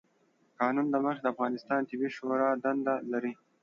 قانون له مخې، د افغانستان طبي شورا دنده لري،